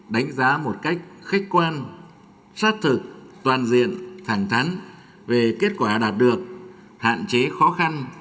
đánh giá khách quan xác thực toàn diện thẳng thắn về kết quả đạt được hạn chế khó khăn